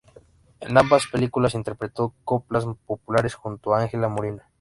En ambas películas interpretó coplas populares junto a Ángela Molina.